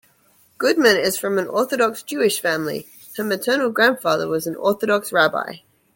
Goodman is from an Orthodox Jewish family; her maternal grandfather was an Orthodox Rabbi.